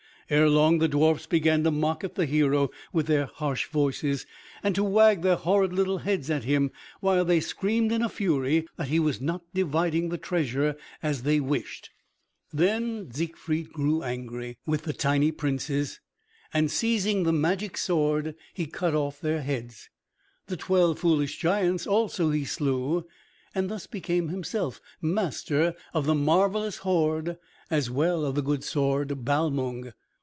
ere long the dwarfs began to mock at the hero with their harsh voices, and to wag their horrid little heads at him, while they screamed in a fury that he was not dividing the treasure as they wished. Then Siegfried grew angry with the tiny princes, and seizing the magic sword, he cut off their heads. The twelve foolish giants also he slew, and thus became himself master of the marvelous hoard as well as of the good sword Balmung.